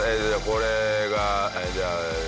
これがじゃあ。